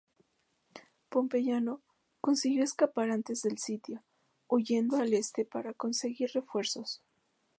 Pompeyano consiguió escapar antes del sitio, huyendo al este para conseguir refuerzos.